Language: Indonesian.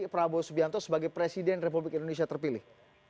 prabowo subianto sebagai presiden republik indonesia terpilih